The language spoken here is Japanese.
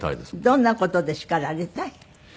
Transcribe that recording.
どんな事で叱られたい？